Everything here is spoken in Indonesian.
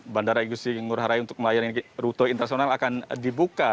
bandara egusi ngurah raya untuk melayani rute intrasonal akan dibuka